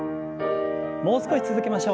もう少し続けましょう。